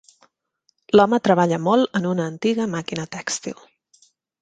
L'home treballa molt en una antiga màquina tèxtil